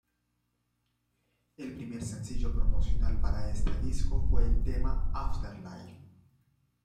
El primer sencillo promocional para este disco fue el tema ""Afterlife.